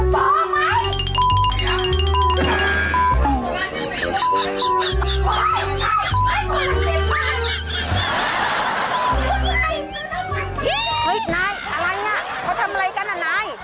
นายอะไรอ่ะเขาทำอะไรกันอ่ะนาย